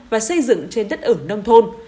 và xây dựng trên đất ở nông thôn